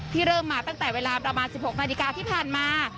เริ่มมาตั้งแต่เวลาประมาณ๑๖นาฬิกาที่ผ่านมา